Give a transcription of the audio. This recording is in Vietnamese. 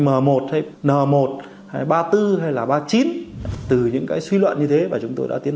mờ một hay nờ một hay ba tư hay là ba chín từ những cái suy luận như thế và chúng tôi đã tiến